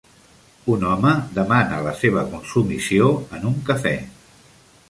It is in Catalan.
Un home demana la seva consumició en un cafè.